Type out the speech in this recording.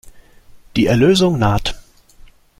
Die Erlösung naht.